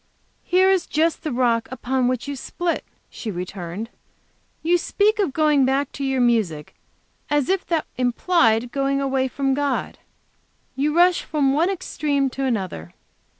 "Here is just the rock upon which you split," she returned. "You speak of going back to your music as if that implied going away from God. You rush from one extreme to another.